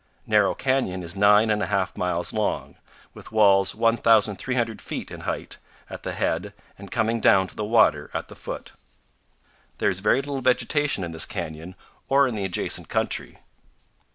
Narrow Canyon is 9 1/2 miles long, with walls 1,300 feet in height at the head and coming down to the water at the foot. There is very little vegetation in this canyon or in the adjacent country.